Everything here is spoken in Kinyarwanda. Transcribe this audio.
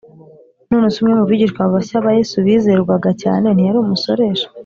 none se umwe mu bigishwa bashya ba yesu bizerwaga cyane ntiyari umusoresha?